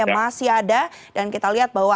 masih ada dan kita lihat bahwa